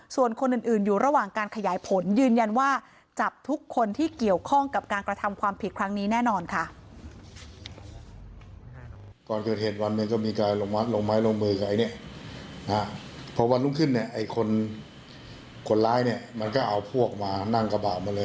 ส่วนคนอื่นอยู่ระหว่างการขยายผลยืนยันว่าจับทุกคนที่เกี่ยวข้องกับการกระทำความผิดครั้งนี้แน่นอนค่ะ